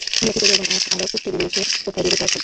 ব্যথিত যৌবন আজ আবার খুঁজতে বেরিয়েছে, কোথায় দেবে তার ফুল!